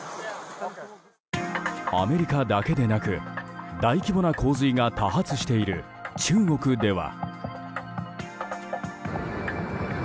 アメリカだけでなく大規模な洪水が多発している中国では。